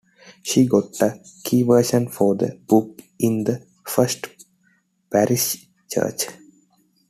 She got a key vision for the book in the First Parish Church.